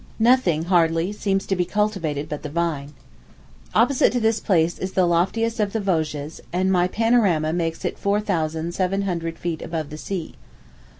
Nothing, hardly, seems to be cultivated but the vine. Opposite to this place is the loftiest of the Vosges; and my panorama makes it four thousand seven hundred feet above the sea.